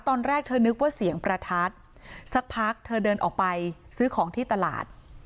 ตอนแรกเธอนึกว่าเสียงประทัดสักพักเธอเดินออกไปซื้อของที่ตลาด